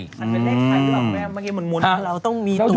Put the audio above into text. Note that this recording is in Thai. มันเป็นเลขไหนหรือเปล่าแม่งเมื่อกี้มันมนต์ว่าเราต้องมีตัว